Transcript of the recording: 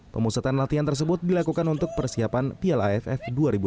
pemusatan latihan tersebut dilakukan untuk persiapan piala aff dua ribu delapan belas